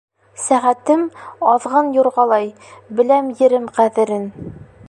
Сәғәтем, аҙғын юрғалай, Беләм ерем ҡәҙерен.